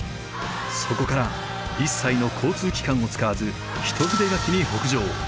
そこから一切の交通機関を使わず一筆書きに北上。